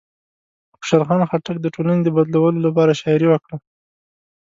خوشحال خان خټک د ټولنې د بدلولو لپاره شاعري وکړه.